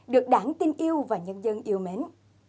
được đảng tin yêu và nhân dân yêu mến